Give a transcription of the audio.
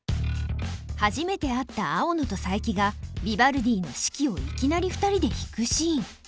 初めて会った青野と佐伯がビバルディの「四季」をいきなり２人で弾くシーン。